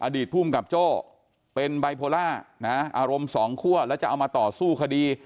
อดีตภูมิกับโจ้เป็นไบโพล่านะอารมณ์สองคั่วแล้วจะเอามาต่อสู้คดี